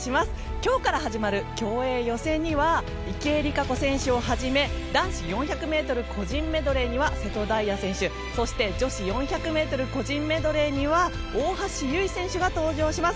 今日から始まる競泳予選には池江璃花子選手をはじめ男子４００ｍ個人メドレーには瀬戸大也選手そして女子４００ｍ個人メドレーには大橋悠依選手が登場します。